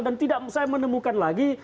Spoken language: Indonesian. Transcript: tidak saya menemukan lagi